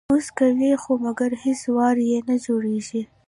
وس کوي خو مګر هیڅ وار یې نه جوړیږي